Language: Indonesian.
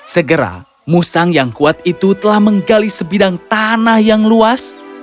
segera musang yang kuat itu telah menggali sebidang tanah yang luas